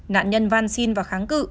nạn nhân van xin và kháng cự